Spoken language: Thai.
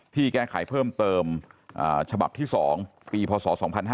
แก้ไขเพิ่มเติมฉบับที่๒ปีพศ๒๕๕๙